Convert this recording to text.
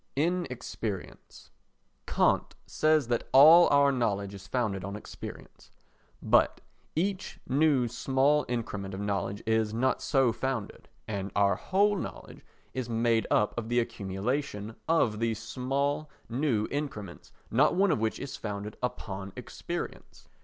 Inexperience Kant says that all our knowledge is founded on experience. But each new small increment of knowledge is not so founded, and our whole knowledge is made up of the accumulation of these small new increments not one of which is founded upon experience.